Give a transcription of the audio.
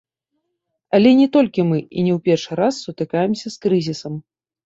Але не толькі мы і не ў першы раз сутыкаемся з крызісам.